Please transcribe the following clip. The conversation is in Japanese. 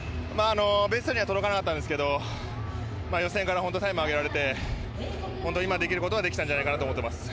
ベストタイムには届かなかったんですけど予選から本当にタイムを上げられて今できることはできたと思います。